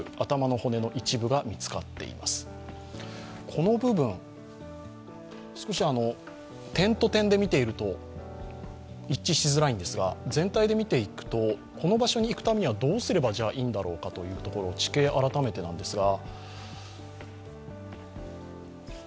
この部分少し点と点で見ていると一致しづらいのですが、全体で見ていくとこの場所に行くためにはどうすればいいんだろうかというところ、地形改めてですが。